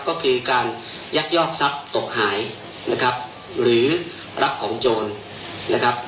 ก็คือการยักยอกทรัพย์ตกหายนะครับหรือรับของโจรนะครับ